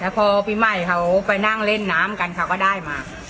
พอปีใหม่เขาไปนั่งเล่นน้ำกันเขาก็ได้มา